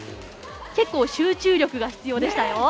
結構、集中力が必要でしたよ。